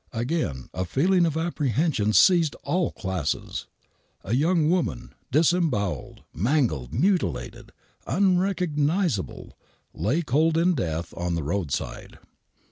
Again a feeling of apprehension seized all classes. A young woman — disembowelled, mangled, mutilated, unrecog nizable — ^lay cold in death on the roadside.